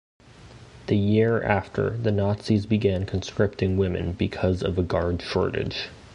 The year after, the Nazis began conscripting women because of a guard shortage.